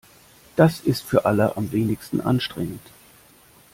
Das ist für alle am wenigsten anstrengend.